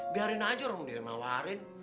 biarin aja orang di rumah warin